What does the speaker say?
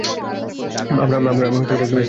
আমরা এক special team গঠন করি।